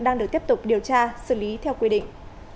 đang được tiếp tục điều tra xử lý theo quy định